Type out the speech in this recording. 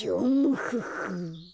フフフ。